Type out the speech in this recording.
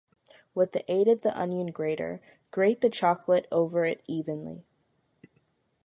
With the aid of the onion grater, grate the chocolate over it evenly.